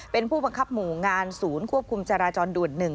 เป็นผู้บังคับหมู่งานศูนย์ควบคุมจราจรด่วน๑